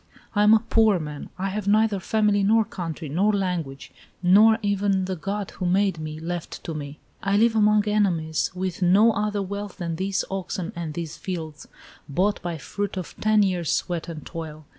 I am a poor man. I have neither family, nor country, nor language, nor even the God who made me left to me. I live among enemies, with no other wealth than these oxen and these fields, bought by the fruit of ten years' sweat and toil.